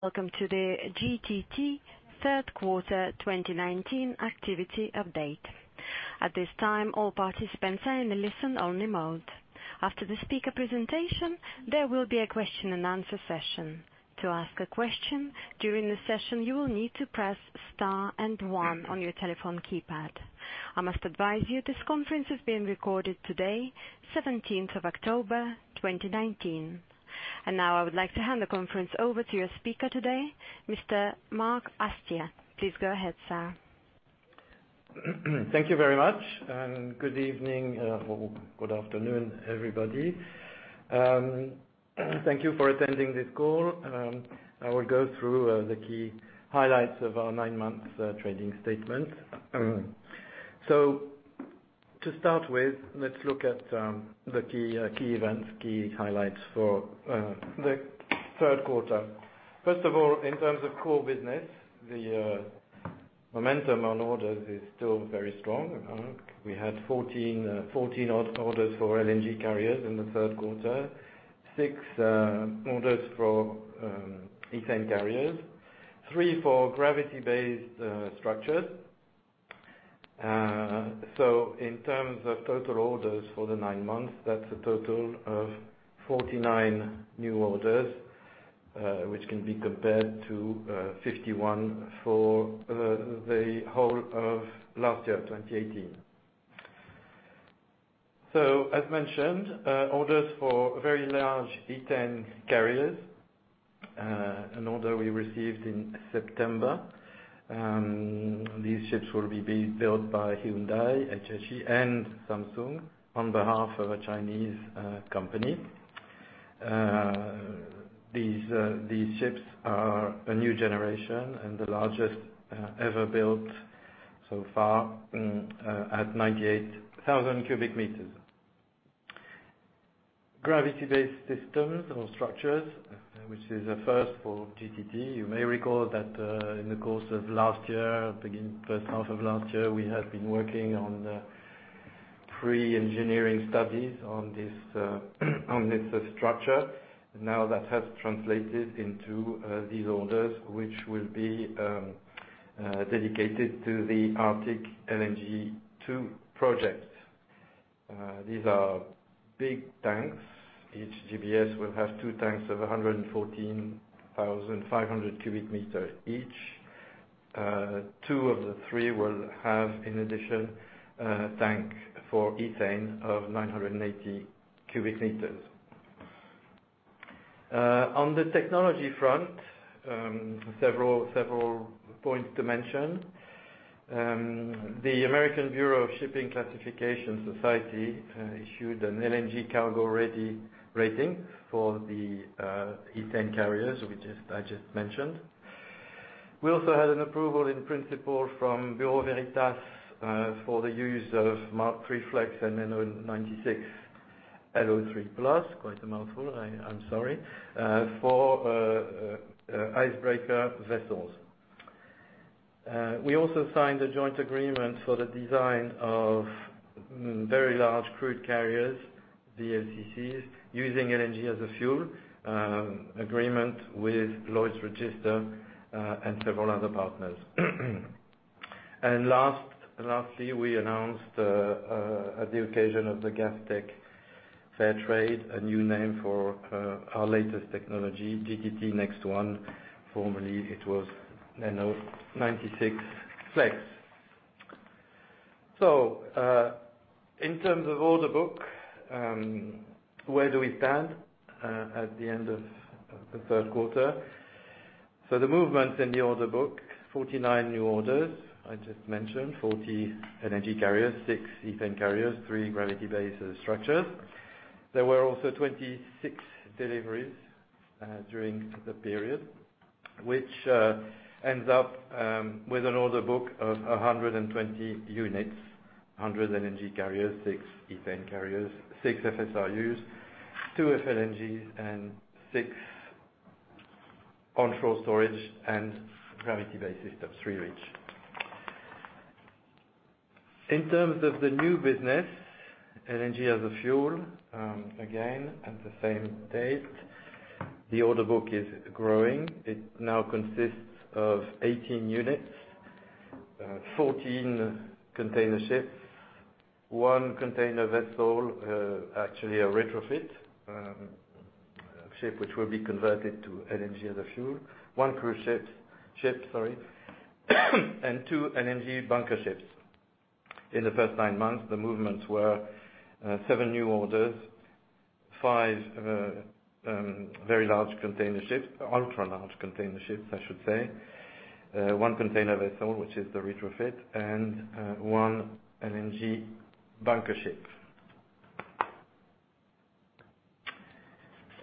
Welcome to the GTT Third Quarter 2019 activity update. At this time, all participants are in a listen-only mode. After the speaker presentation, there will be a question and answer session. To ask a question during the session, you will need to press star and one on your telephone keypad. I must advise you, this conference is being recorded today, seventeenth of October, twenty nineteen. And now, I would like to hand the conference over to your speaker today, Mr. Marc Haestier. Please go ahead, sir. Thank you very much, and good evening, or good afternoon, everybody. Thank you for attending this call. I will go through the key highlights of our nine-month trading statement. So to start with, let's look at the key events, key highlights for the third quarter. First of all, in terms of core business, the momentum on orders is still very strong. We had 14 orders for LNG carriers in the third quarter, 6 orders for ethane carriers, 3 for gravity-based structures. So in terms of total orders for the nine months, that's a total of 49 new orders, which can be compared to 51 for the whole of last year, 2018. So as mentioned, orders for very large ethane carriers, an order we received in September, these ships will be being built by Hyundai, HSHI, and Samsung on behalf of a Chinese company. These ships are a new generation and the largest ever built so far, at 98,000 cubic meters. Gravity-based systems or structures, which is a first for GTT, you may recall that, in the course of last year, beginning first half of last year, we had been working on, pre-engineering studies on this, on this structure. Now, that has translated into, these orders, which will be, dedicated to the Arctic LNG 2 projects. These are big tanks. Each GBS will have two tanks of 114,500 cu m each. Two of the three will have, in addition, tank for ethane of 980 cubic meters. On the technology front, several points to mention. The American Bureau of Shipping classification society issued an LNG cargo-ready rating for the ethane carriers, which I just mentioned. We also had an approval in principle from Bureau Veritas for the use of Mark III Flex and NO96 L03+, quite a mouthful, I'm sorry, for icebreaker vessels. We also signed a joint agreement for the design of very large crude carriers, the VLCCs, using LNG as a fuel, agreement with Lloyd's Register and several other partners. Lastly, we announced at the occasion of the Gastech trade fair a new name for our latest technology, GTT NEXT1 Formerly, it was NO96 Flex. So, in terms of order book, where do we stand at the end of the third quarter? So the movement in the order book, 49 new orders. I just mentioned 40 LNG carriers, 6 ethane carriers, 3 gravity-based structures. There were also 26 deliveries during the period, which ends up with an order book of 120 units, 100 LNG carriers, 6 ethane carriers, 6 FSRUs, 2 FLNGs, and 6 onshore storage and gravity-based systems, 3 each. In terms of the new business, LNG as a fuel, again, at the same date, the order book is growing. It now consists of 18 units, 14 container ships, 1 container vessel, actually a retrofit ship, which will be converted to LNG as a fuel, 1 cruise ship, sorry, and 2 LNG bunker ships. In the first nine months, the movements were 7 new orders, 5 very large container ships, ultra large container ships, I should say, one container vessel, which is the retrofit, and one LNG bunker ship.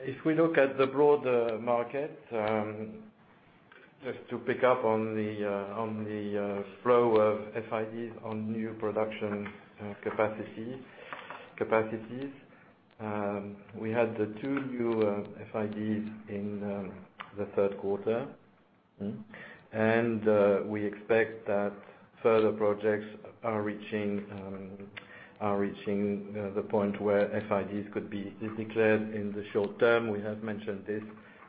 If we look at the broader market, just to pick up on the flow of FIDs on new production capacity, capacities, we had the 2 new FIDs in the third quarter. Mm-hmm. We expect that further projects are reaching the point where FIDs could be declared in the short term. We have mentioned this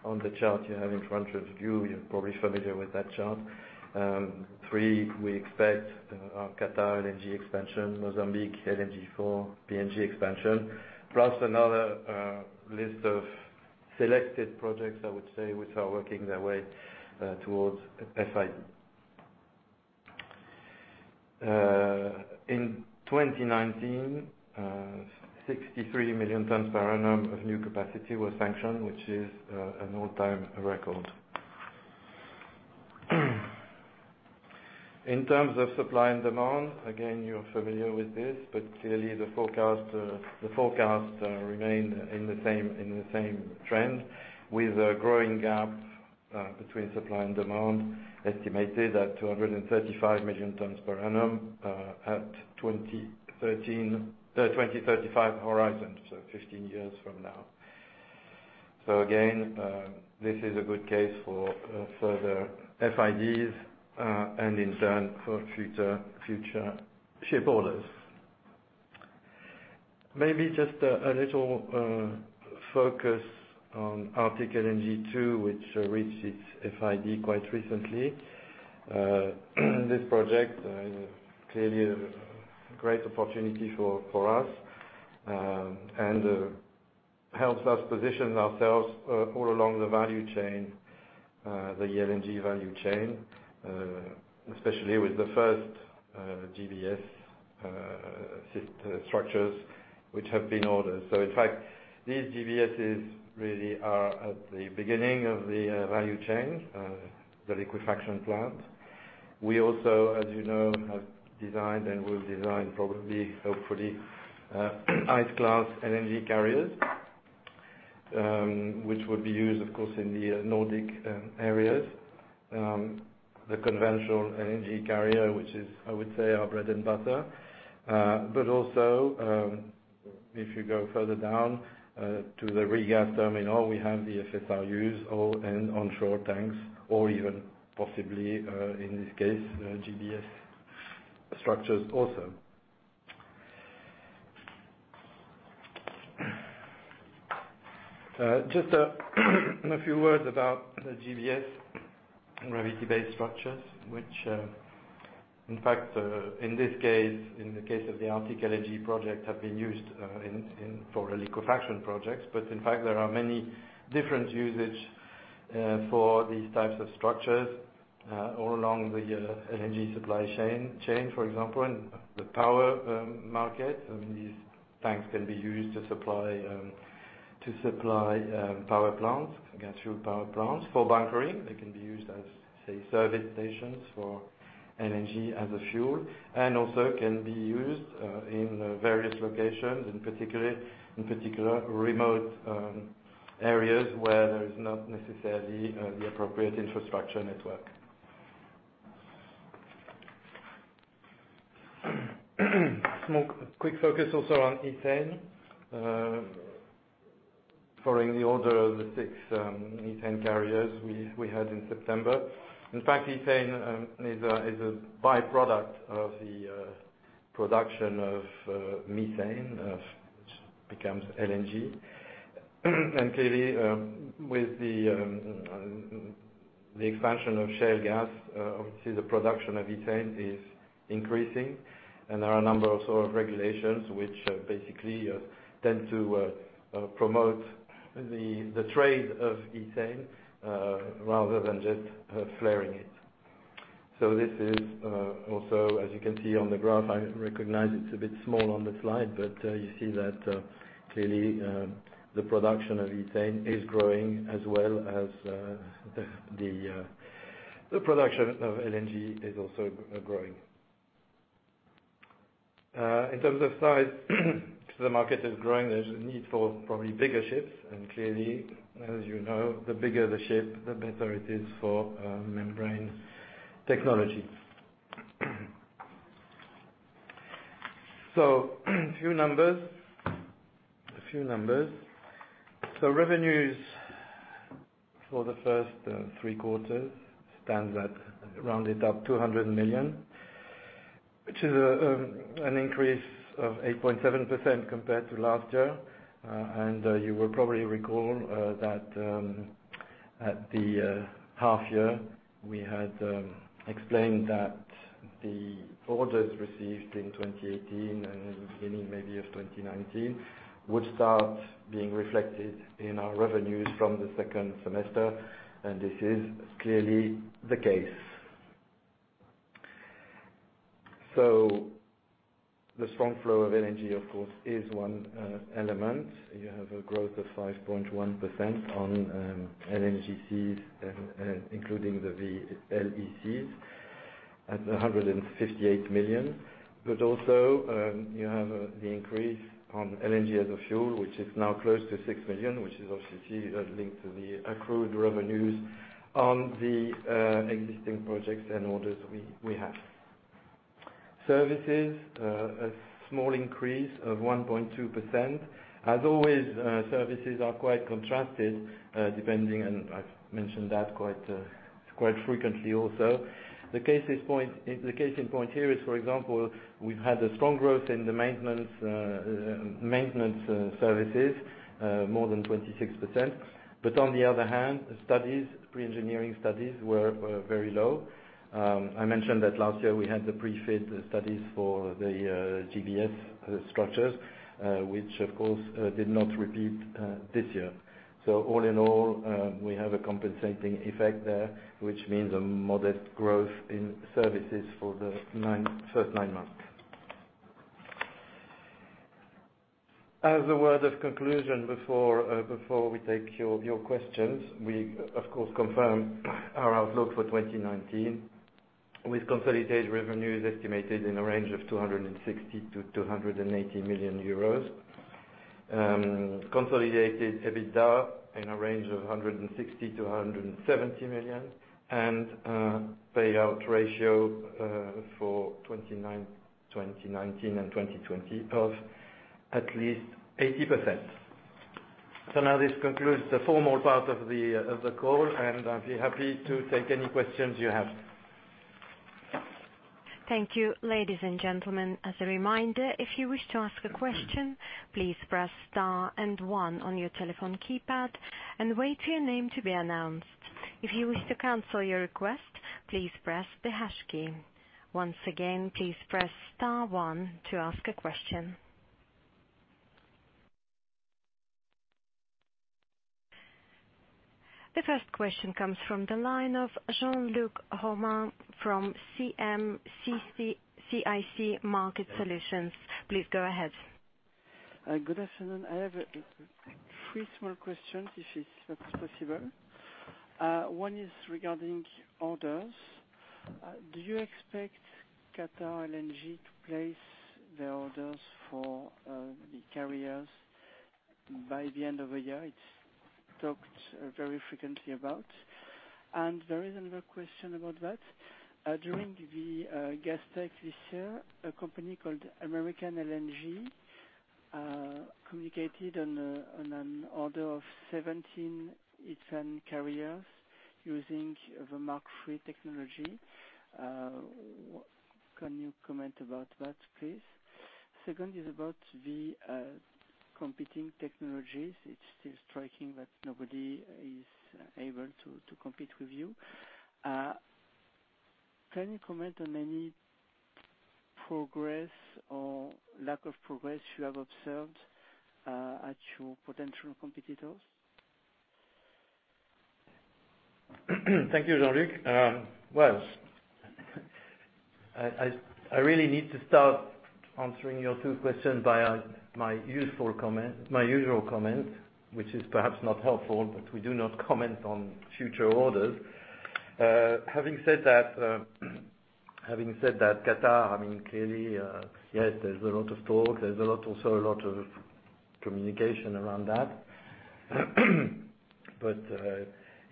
on the chart you have in front of you. You're probably familiar with that chart. Three, we expect our Qatar LNG expansion, Mozambique LNG Area 4, PNG expansion, plus another list of selected projects, I would say, which are working their way towards FID. In 2019, 63 million tons per annum of new capacity was sanctioned, which is an all-time record. In terms of supply and demand, again, you're familiar with this, but clearly the forecast remained in the same trend, with a growing gap between supply and demand, estimated at 235 million tons per annum at 2035 horizon, so 15 years from now. So again, this is a good case for further FIDs and in turn, for future ship orders. Maybe just a little focus on Arctic LNG 2, which reached its FID quite recently. This project is clearly a great opportunity for us and helps us position ourselves all along the value chain, the LNG value chain, especially with the first GBS structures which have been ordered. So in fact, these GBSs really are at the beginning of the value chain, the liquefaction plant. We also, as you know, have designed and will design probably, hopefully, ice-class LNG carriers, which would be used, of course, in the Nordic areas. The conventional LNG carrier, which is, I would say, our bread and butter. But also, if you go further down to the regas terminal, we have the FSRUs all and onshore tanks, or even possibly, in this case, GBS structures also. Just a few words about the GBS, gravity-based structures, which, in fact, in this case, in the case of the Arctic LNG project, have been used for liquefaction projects. But in fact, there are many different usage for these types of structures all along the LNG supply chain. For example, in the power market, these tanks can be used to supply power plants, gas-fueled power plants. For bunkering, they can be used as, say, service stations for LNG as a fuel, and also can be used in various locations, in particular, remote areas where there is not necessarily the appropriate infrastructure network. Small, quick focus also on ethane. Following the order of the 6 ethane carriers we had in September. In fact, ethane is a by-product of the production of methane, which becomes LNG. And clearly, with the expansion of shale gas, obviously, the production of ethane is increasing, and there are a number of sort of regulations which basically tend to promote the trade of ethane, rather than just flaring it. So this is also, as you can see on the graph, I recognize it's a bit small on the slide, but you see that clearly the production of ethane is growing as well as the production of LNG is also growing. In terms of size, the market is growing. There's a need for probably bigger ships, and clearly, as you know, the bigger the ship, the better it is for membrane technology. So a few numbers. Revenues for the first three quarters stands at, rounded up, 200 million, which is an increase of 8.7% compared to last year. And you will probably recall that at the half year, we had explained that the orders received in 2018 and in the beginning maybe of 2019 would start being reflected in our revenues from the second semester, and this is clearly the case. So the strong flow of LNG, of course, is one element. You have a growth of 5.1% on LNGCs, including the LECs, at 158 million. But also, you have the increase on LNG as a fuel, which is now close to 6 million, which is obviously linked to the accrued revenues on the existing projects and orders we have. Services, a small increase of 1.2%. As always, services are quite contrasted, depending, and I've mentioned that quite frequently also. The case in point here is, for example, we've had a strong growth in the maintenance services, more than 26%. But on the other hand, the studies, pre-engineering studies were very low. I mentioned that last year we had the pre-FID studies for the GBS structures, which, of course, did not repeat this year. So all in all, we have a compensating effect there, which means a modest growth in services for the first nine months. As a word of conclusion before we take your questions, we of course confirm our outlook for 2019, with consolidated revenues estimated in a range of 260 million-280 million euros. Consolidated EBITDA in a range of 160 million-170 million, and a payout ratio for 2019 and 2020 of at least 80%. So now this concludes the formal part of the call, and I'll be happy to take any questions you have. Thank you. Ladies and gentlemen, as a reminder, if you wish to ask a question, please press star and one on your telephone keypad and wait for your name to be announced. If you wish to cancel your request, please press the hash key. Once again, please press star one to ask a question. The first question comes from the line of Jean-Luc Romain from CIC Market Solutions. Please go ahead. Good afternoon. I have three small questions, if that's possible. One is regarding orders. Do you expect Qatar LNG to place the orders for the carriers by the end of the year? It's talked very frequently about. There is another question about that. During the Gastech this year, a company called American LNG communicated on an order of 17 ethane carriers using the Mark III technology. What... Can you comment about that, please? Second is about the competing technologies. It's still striking that nobody is able to compete with you. Can you comment on any progress or lack of progress you have observed at your potential competitors? Thank you, Jean-Luc. Well, I really need to start answering your two questions by my usual comment, which is perhaps not helpful, but we do not comment on future orders. Having said that, Qatar, I mean, clearly, yes, there's a lot of talk. There's a lot, also a lot of communication around that. But,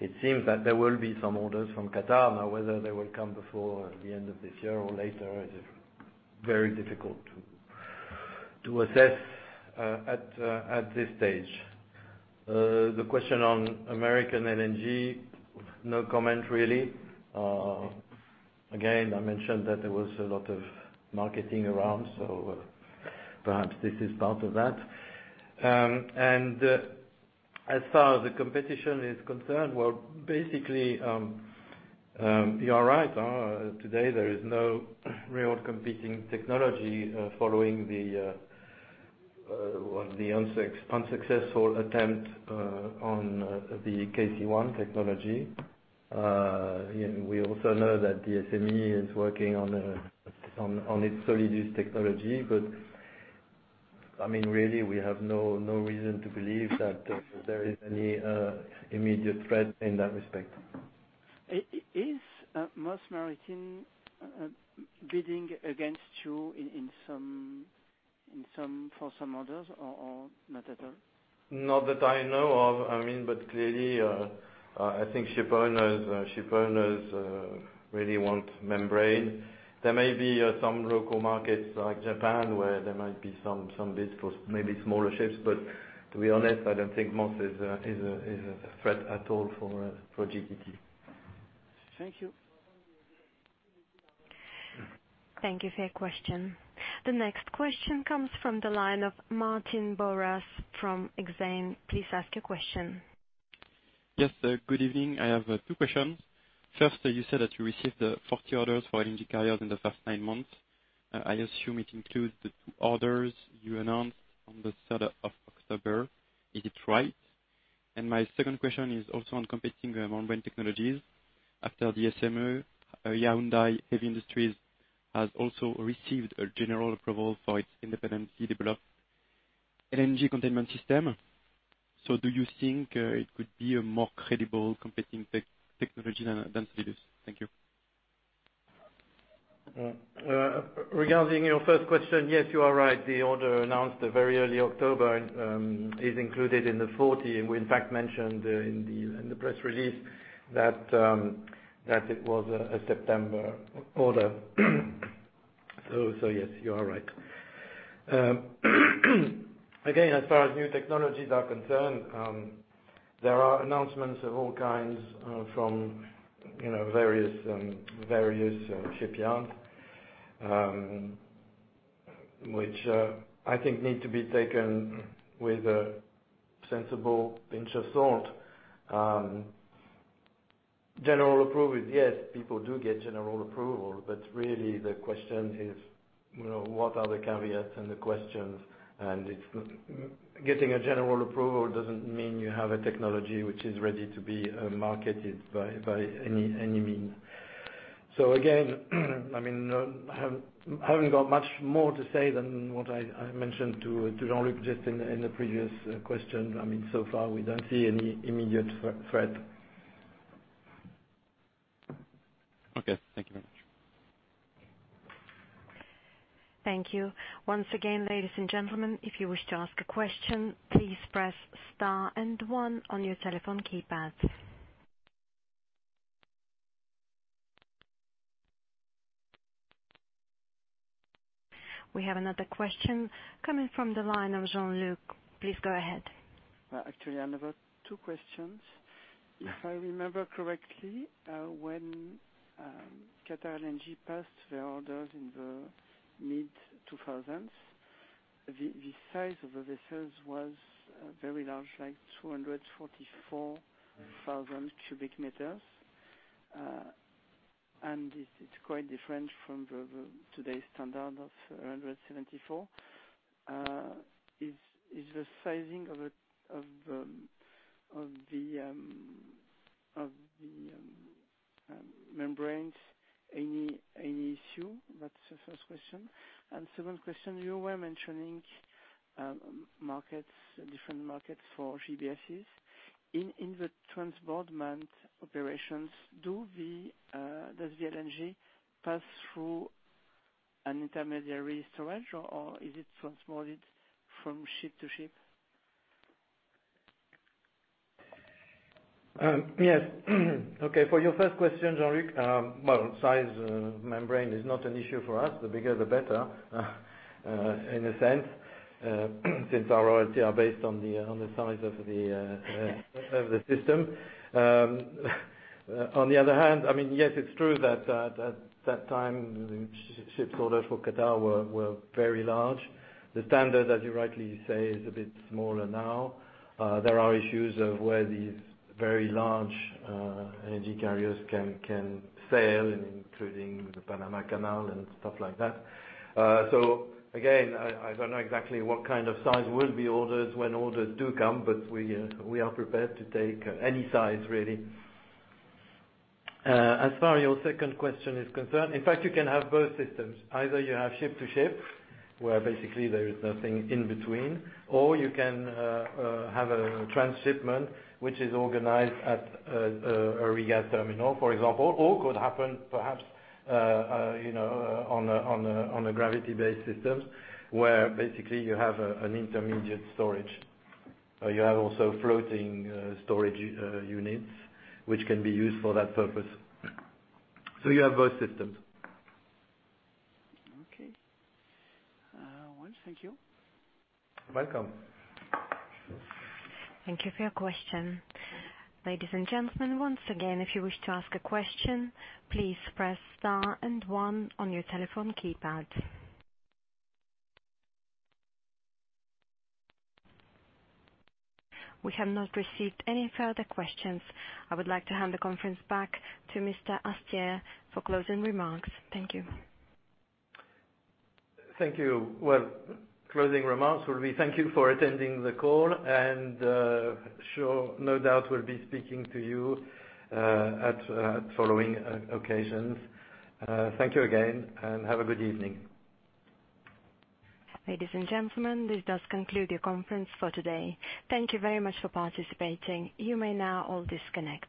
it seems that there will be some orders from Qatar. Now, whether they will come before the end of this year or later, is very difficult to assess, at this stage. The question on American LNG, no comment really. Again, I mentioned that there was a lot of marketing around, so perhaps this is part of that. And, as far as the competition is concerned, well, basically, you are right. Today, there is no real competing technology, following the, well, the unsuccessful attempt on the KC-1 technology. And we also know that the DSME is working on its Solidus technology, but, I mean, really, we have no reason to believe that there is any immediate threat in that respect. Is Moss Maritime bidding against you in some for some orders or not at all? Not that I know of. I mean, but clearly, I think shipowners really want membrane. There may be some local markets like Japan, where there might be some bids for maybe smaller ships, but to be honest, I don't think Moss is a threat at all for GTT. Thank you. Thank you for your question. The next question comes from the line of Martin Brough from Exane. Please ask your question. Yes, good evening. I have two questions. First, you said that you received 40 orders for LNG carriers in the first nine months. I assume it includes the 2 orders you announced on the third of October. Is it right? And my second question is also on competing membrane technologies. After the DSME, Hyundai Heavy Industries has also received a general approval for its independently developed LNG containment system. So do you think it could be a more credible competing technology than Solidus? Thank you. Regarding your first question, yes, you are right. The order announced very early October is included in the 40, and we, in fact, mentioned in the press release that it was a September order. So, yes, you are right. Again, as far as new technologies are concerned, there are announcements of all kinds from, you know, various, various shipyards. Which, I think need to be taken with a sensible pinch of salt. General approval, yes, people do get general approval, but really the question is, you know, what are the caveats and the questions? And it's getting a general approval doesn't mean you have a technology which is ready to be marketed by any means. So again, I mean, I haven't got much more to say than what I mentioned to Jean-Luc just in the previous question. I mean, so far, we don't see any immediate threat. Okay, thank you very much. Thank you. Once again, ladies and gentlemen, if you wish to ask a question, please press star and one on your telephone keypad. We have another question coming from the line of Jean-Luc. Please go ahead. Actually, I have about two questions. Yeah. If I remember correctly, when Qatar LNG passed the order in the mid-2000s, the size of the vessels was very large, like 244,000 cubic meters. It's quite different from today's standard of 174. Is the sizing of the membranes any issue? That's the first question. Second question, you were mentioning markets, different markets for GBSs. In the transshipment operations, does the LNG pass through an intermediary storage or is it transported from ship to ship? Yes. Okay, for your first question, Jean-Luc, well, size, membrane is not an issue for us. The bigger, the better, in a sense, since our royalty are based on the, on the size of the, of the system. On the other hand, I mean, yes, it's true that, at that time, the ships order for Qatar were very large. The standard, as you rightly say, is a bit smaller now. There are issues of where these very large LNG carriers can sail, including the Panama Canal and stuff like that. So again, I don't know exactly what kind of size will be ordered when orders do come, but we are prepared to take any size, really. As far as your second question is concerned, in fact, you can have both systems. Either you have ship to ship, where basically there is nothing in between, or you can have a transshipment, which is organized at a regas terminal, for example, or could happen perhaps, you know, on a gravity-based system, where basically you have an intermediate storage. You have also floating storage units, which can be used for that purpose. So you have both systems. Okay. Well, thank you. Welcome. Thank you for your question. Ladies and gentlemen, once again, if you wish to ask a question, please press star and one on your telephone keypad. We have not received any further questions. I would like to hand the conference back to Mr. Haestier for closing remarks. Thank you. Thank you. Well, closing remarks will be thank you for attending the call, and, sure, no doubt we'll be speaking to you, at, following occasions. Thank you again, and have a good evening. Ladies and gentlemen, this does conclude the conference for today. Thank you very much for participating. You may now all disconnect.